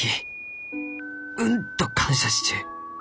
うんと感謝しちゅう。